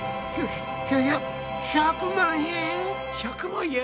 １００万円！？